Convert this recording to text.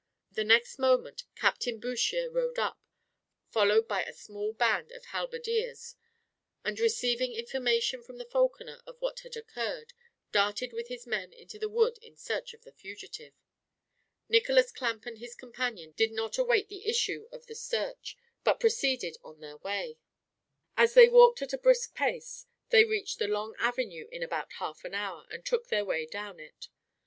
The next moment Captain Bouchier rode up, followed by a small band of halberdiers, and receiving information from the falconer of what had occurred, darted with his men into the wood in search of the fugitive. Nicholas Clamp and his companion did not await the issue of the search, but proceeded on their way. As they walked at a brisk pace, they reached the long avenue in about half an hour, and took their way down it.